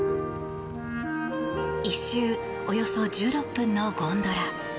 １周およそ１６分のゴンドラ。